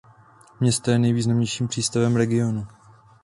Město je nejvýznamnějším přístavem regionu.